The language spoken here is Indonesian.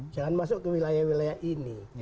jangan masuk ke wilayah wilayah ini